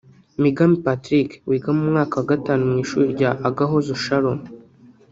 Migambi Patrick wiga mu mwaka wa gatanu mu Ishuri rya Agahozo Shalom